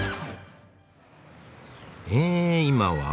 え今は。